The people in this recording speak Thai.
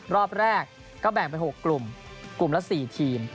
รอบแรกก็แบ่งไป๖กลุ่มกลุ่มละ๔ทีม